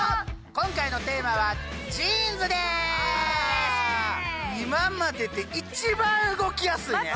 今回のテーマは今までで一番動きやすいね！